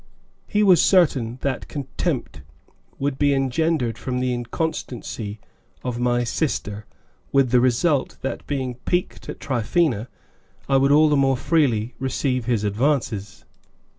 He was certain that contempt would be engendered from the inconstancy of my "sister," with the result that, being piqued at Tryphaena, I would all the more freely receive his advances.